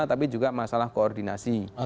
tapi juga masalah koordinasi